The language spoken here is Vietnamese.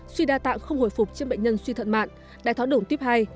suy đa tạng không hồi phục trên bệnh nhân suy thận mạn đại thói đổng tiếp hai